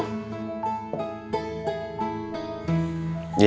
makasih ya pak